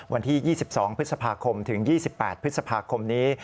วันที่๒๒พฤษภาคมถึง๒๘พฤษภาคมนี้